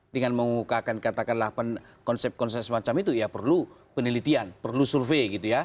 dengan mengukakan katakan delapan konsep konsep semacam itu perlu penelitian perlu survei